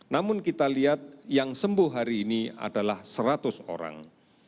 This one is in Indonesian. namun kita lihat yang sembuh hari ini adalah seratus orang